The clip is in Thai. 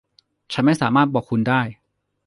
ฉันไม่สามารถบอกคุณได้.